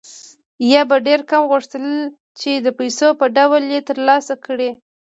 یا به یې ډېر کم غوښتل چې د پیسو په ډول یې ترلاسه کړي